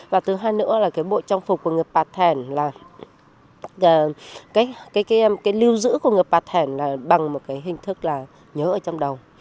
và thứ hai nữa là cái bộ trang phục của người pà thèn là cái lưu giữ của người bà thẻn này bằng một cái hình thức là nhớ ở trong đầu